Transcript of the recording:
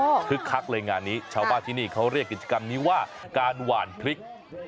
คึกคักเลยงานนี้ชาวบ้านที่นี่เขาเรียกกิจกรรมนี้ว่าการหวานพริก